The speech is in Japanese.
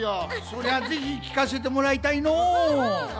そりゃぜひきかせてもらいたいのう。